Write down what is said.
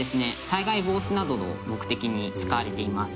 災害防止などの目的に使われています。